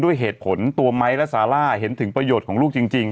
ด้วยเหตุผลตัวไม้และซาร่าเห็นถึงประโยชน์ของลูกจริง